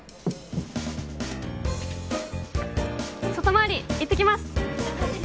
外回りいってきます。